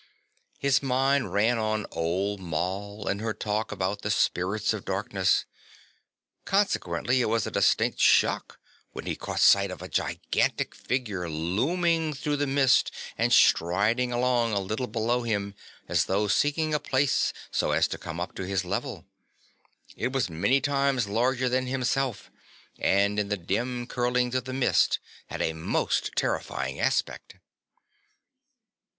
His mind ran on old Moll and her talk about the spirits of darkness. Consequently it was a distinct shock when he caught sight of a gigantic figure looming through the mist and striding along a little below him as though seeking a place so as to come up on his level. It was many times larger than himself and in the dim curlings of the mist had a most terrifying aspect.